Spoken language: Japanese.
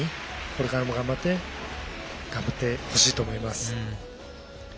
これからも頑張ってほしいと思います。